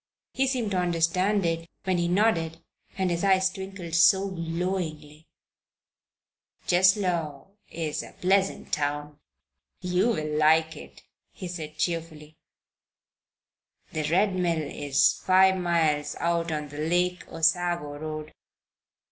He seemed to understand it when he nodded and his eyes twinkled so glowingly. "Cheslow is a pleasant town. You will like it," he said, cheerfully. "The Red Mill is five miles out on the Lake Osago Road.